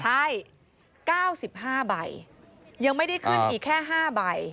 ใช่๙๕ใบยังไม่ได้ขึ้นอีกแค่๕ใบ